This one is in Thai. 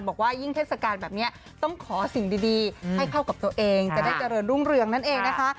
บอกว่ายิ่งเทศกาลแบบนี้ต้องขอสิ่งดีให้เข้ากับตัวเองจะได้เจริญรุ่งเรืองนั่นเองนะคะ